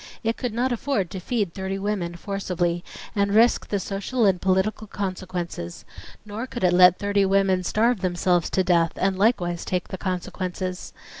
It could not afford to feed thirty women forcibly and risk the social and political consequences; nor could it let thirty women starve themselves to death, and likewise take the consequences.